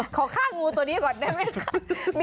ขอฆ่างูตัวนี้ก่อนได้ไหมคะ